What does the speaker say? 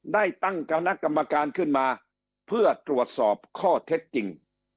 ได้ตั้งคณะกรรมการขึ้นมาเพื่อตรวจสอบข้อเท็จจริง